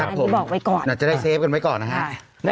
แบบนี้บอกไว้ก่อนนะครับดีกว่า